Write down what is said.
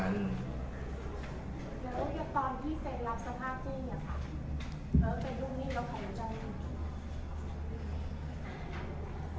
แล้วตอนที่เป็นรักษภาพนี่เอิ้วเป็นลูกหนี้แล้วของเจ้านี่